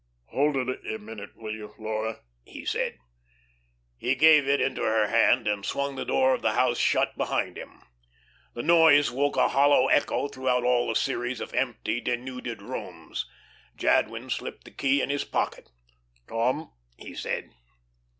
"Hold it a minute, will you, Laura?" he said. He gave it into her hand and swung the door of the house shut behind him. The noise woke a hollow echo throughout all the series of empty, denuded rooms. Jadwin slipped the key in his pocket. "Come," he said.